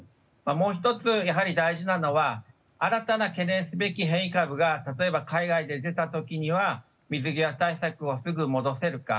もう１つ、やはり大事なのは新たな懸念すべき変異株が例えば海外で出た時には水際対策をすぐ戻せるか。